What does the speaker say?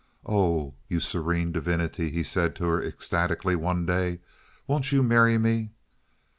"Oh, you serene divinity!" he said to her, ecstatically, one day. "Won't you marry me?"